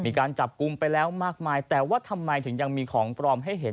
มีการจับกลุ่มไปแล้วมากมายแต่ว่าทำไมถึงยังมีของปลอมให้เห็น